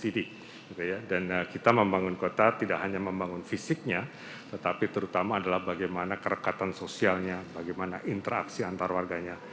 dan kita membangun kota tidak hanya membangun fisiknya tetapi terutama adalah bagaimana kerekatan sosialnya bagaimana interaksi antar warganya